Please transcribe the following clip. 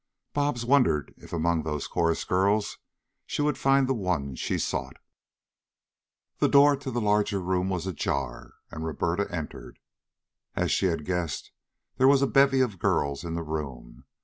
Bobs wondered if among those chorus girls she would find the one she sought. The door to the larger room was ajar, and Roberta entered. As she had guessed, there was a bevy of girls in the room.